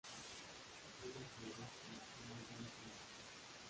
Premio al jugador que marcó más goles en el torneo.